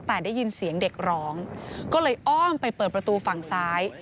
แต่ได้ยินเสียงเด็กร้องก็เลยอ้อมไปเปิดประตูฝั่งซ้าย